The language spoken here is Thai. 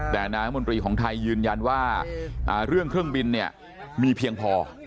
แต่นายรัฐมนตรีของไทยยืนยันว่าเรื่องเครื่องบินเนี่ยมีเพียงพอ